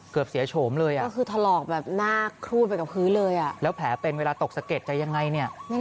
เกือบเสียโฉมเลยอ่ะแล้วแผลเป็นเวลาตกสะเก็ดจะยังไงนี่